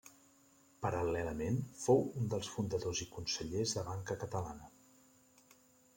Paral·lelament, fou un dels fundadors i consellers de Banca Catalana.